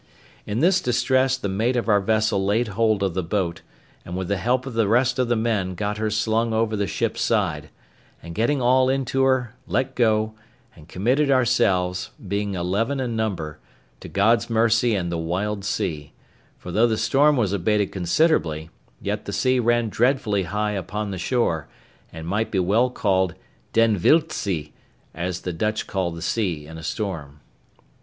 In this distress the mate of our vessel laid hold of the boat, and with the help of the rest of the men got her slung over the ship's side; and getting all into her, let go, and committed ourselves, being eleven in number, to God's mercy and the wild sea; for though the storm was abated considerably, yet the sea ran dreadfully high upon the shore, and might be well called den wild zee, as the Dutch call the sea in a storm.